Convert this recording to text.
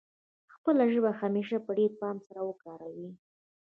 خپله ژبه همېش په ډېر پام سره وکاروي.